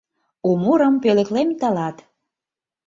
У мурым пöлеклем тылат.